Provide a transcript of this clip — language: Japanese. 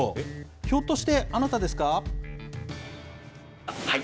ひょっとしてあなたですか。